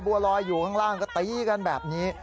บัวลอยอยู่ข้างล่างก็ตีกันแบบนี้